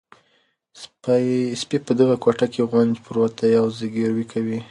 سپي په دغه کوټه کې غونج پروت دی او زګیروی کوي.